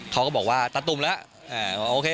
เขาก็บอกว่าตะตุ่มแล้วโอเค